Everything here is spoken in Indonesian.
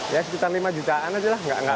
ya sekitar lima jutaan aja lah nggak banyak